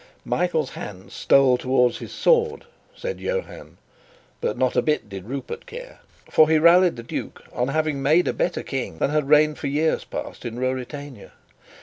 Michael's hand stole towards his sword (said Johann), but not a bit did Rupert care; for he rallied the duke on having made a better King than had reigned for years past in Ruritania.